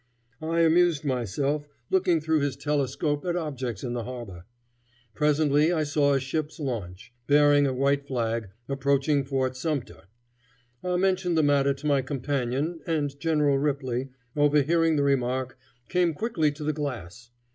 I amused myself looking through his telescope at objects in the harbor. Presently I saw a ship's launch, bearing a white flag, approach Fort Sumter. I mentioned the matter to my companion, and General Ripley, overhearing the remark, came quickly to the glass.